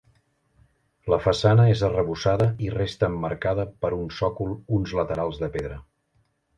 La façana és arrebossada i resta emmarcada per un sòcol uns laterals de pedra.